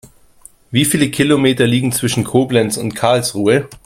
Wie viele Kilometer liegen zwischen Koblenz und Karlsruhe?